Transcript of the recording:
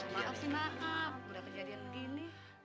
maaf sih maaf udah kejadian begini